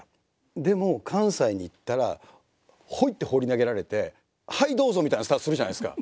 でも関西に行ったらホイって放り投げられて「はいどうぞ！」みたいなスタートするじゃないですか。